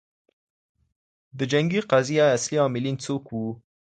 د جنګي قضیې اصلي عاملین څوک وو؟